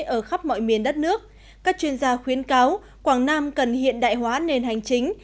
ở khắp mọi miền đất nước các chuyên gia khuyến cáo quảng nam cần hiện đại hóa nền hành chính